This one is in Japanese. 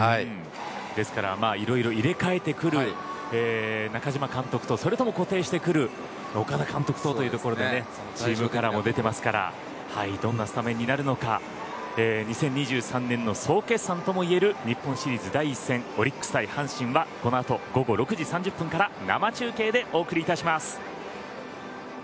ですから色々、入れ替えてくる中嶋監督と固定してくる岡田監督とというところでチームカラーも出ていますからどんなスタメンになるのか２０２３年の総決算ともいえる日本シリーズ第１戦オリックス対阪神はこの後、午後６時３０分から生中継でお送りいたします。